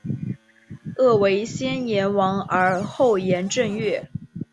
曷为先言王而后言正月？